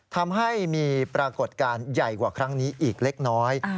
ทำให้มีปรากฏการณ์ใหญ่กว่าครั้งนี้อีกเล็กน้อย